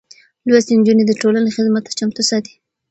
لوستې نجونې د ټولنې خدمت ته چمتو ساتي.